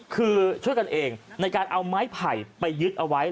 คือช่วยกันเองในการเอาไม้ไผ่ไปยึดเอาไว้